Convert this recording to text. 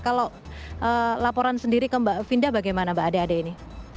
kalau laporan sendiri ke mbak finda bagaimana mbak adik adik ini